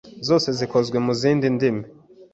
zose zikozwe mu zindi ndimi